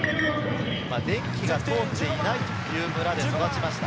電気が通っていない村で育ちました。